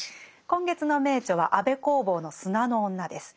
今月の名著は安部公房の「砂の女」です。